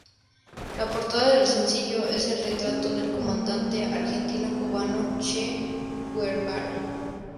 La portada del sencillo es el retrato del comandante argentino-cubano Che Guevara.